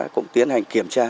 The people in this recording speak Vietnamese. cũng tiến hành kiểm tra